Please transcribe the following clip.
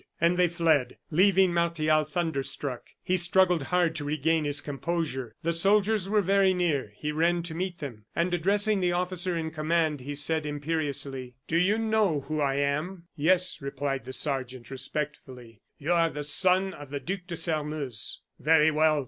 And they fled, leaving Martial thunderstruck. He struggled hard to regain his composure. The soldiers were very near; he ran to meet them, and addressing the officer in command, he said, imperiously: "Do you know who I am?" "Yes," replied the sergeant, respectfully, "you are the son of the Duc de Sairmeuse." "Very well!